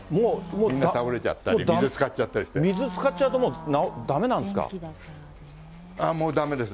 みんな倒れたり、水つかっちゃうと、もうだめもうだめです。